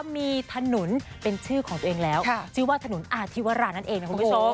มีถนนเป็นชื่อของตัวเองแล้วชื่อว่าถนนอาธิวรานั่นเองนะคุณผู้ชม